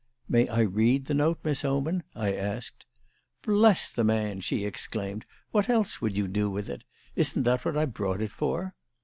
"May I read the note, Miss Oman?" I asked. "Bless the man!" she exclaimed. "What else would you do with it? Isn't that what I brought it for?"